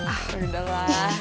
ah udah lah